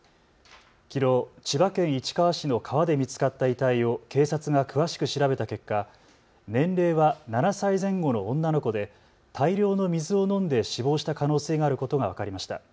きのう千葉県市川市の川で見つかった遺体を警察が詳しく調べた結果、年齢は７歳前後の女の子で大量の水を飲んで死亡した可能性があることが分かりました。